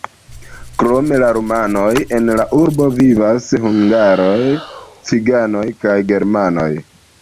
Krom rumanoj, en la urbo vivas hungaroj, ciganoj kaj germanoj.